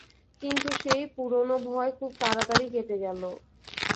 কিন্তু সেই পুরোনো ভয় খুব তাড়াতাড়ি কেটে গেল।